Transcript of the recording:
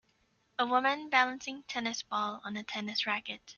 A woman balancing tennis ball on a tennis racket.